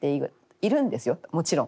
いるんですよもちろん。